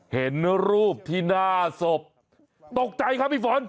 เห็นรูปที่หน้าศพตกใจครับพี่ฝน